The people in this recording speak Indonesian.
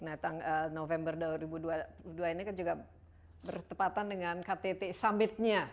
nah tanggal november dua ribu dua puluh dua ini kan juga bertepatan dengan ktt summitnya